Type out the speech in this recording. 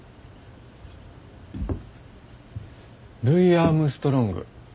ルイ・アームストロング。